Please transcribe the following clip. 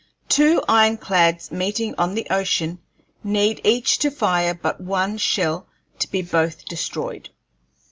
Two ironclads meeting on the ocean need each to fire but one shell to be both destroyed.